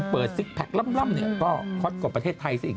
เปิดซิกแฟคล่ำก็คลอดกว่าประเทศไทยซะอีก